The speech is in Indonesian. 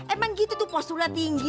emang gitu tuh posturnya tinggi